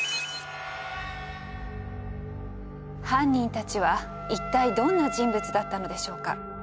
犯人たちは一体どんな人物だったのでしょうか？